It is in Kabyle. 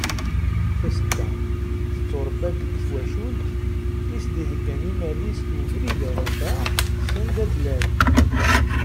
Tasedda tetturebba-d deg twacult i as-d-iheggan immal-is d ubrid ara taɣ send ad d-tlal.